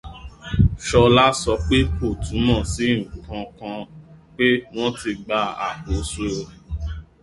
Ṣọlá sọ pé kò túmọ̀ sí nǹkankan pé wọn ti gba àkóso.